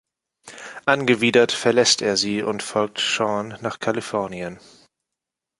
Angewidert verlässt er sie und folgt Sean nach Kalifornien.